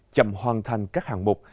chậm hoàn thành các hạng mục